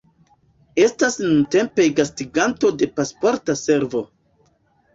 Estas nuntempe gastiganto de Pasporta Servo.